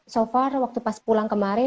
so far waktu pas pulang kemarin